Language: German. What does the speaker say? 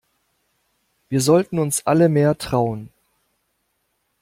Wir sollten uns alle mehr trauen.